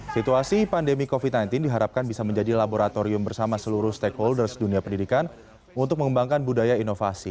situasi pandemi covid sembilan belas diharapkan bisa menjadi laboratorium bersama seluruh stakeholders dunia pendidikan untuk mengembangkan budaya inovasi